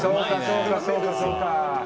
そうか、そうか、そうか。